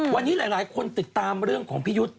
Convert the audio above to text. วันนี้หลายคนติดตามเรื่องของพี่ยุทธ์